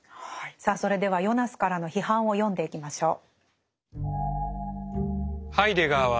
さあそれではヨナスからの批判を読んでいきましょう。